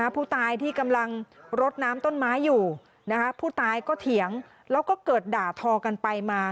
ผู้ตายที่กำลังรดน้ำต้นไม้อยู่ผู้ตายก็เถียงแล้วก็เกิดด่าทอกันไปมา